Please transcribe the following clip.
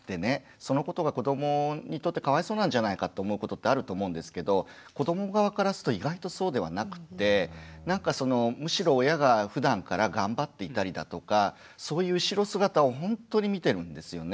そのことが子どもにとってかわいそうなんじゃないかって思うことってあると思うんですけど子ども側からすると意外とそうではなくってなんかそのむしろ親がふだんから頑張っていたりだとかそういう後ろ姿をほんとに見てるんですよね。